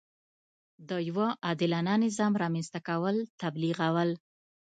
د یوه عادلانه نظام رامنځته کول تبلیغول.